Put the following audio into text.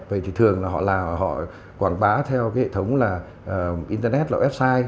vậy thì thường là họ quảng bá theo cái hệ thống là internet là website